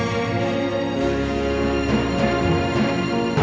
ini adalah kebenaran kita